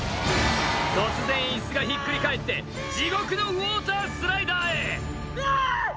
突然、椅子がひっくり返って地獄のウォータースライダーへ！